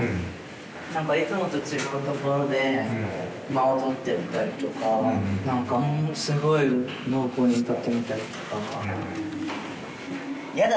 何かいつもと違うところで間を取ってみたりとか何かんすごい濃厚に歌ってみたりとかやだ！